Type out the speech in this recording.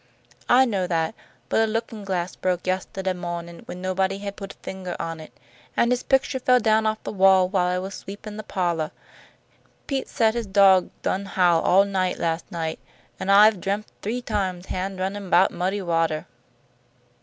"I know that; but a lookin' glass broke yeste'day mawnin' when nobody had put fingah on it. An' his picture fell down off the wall while I was sweepin' the pa'lah. Pete said his dawg done howl all night last night, an' I've dremp three times hand runnin' 'bout muddy watah."